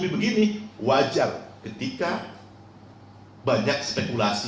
kalau itu begini wajar ketika banyak spekulasi